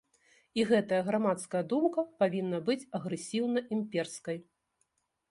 І гэтая грамадская думка павінна быць агрэсіўна-імперскай.